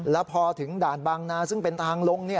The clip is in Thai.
แล้วพอถึงด่านบางนาซึ่งเป็นทางลง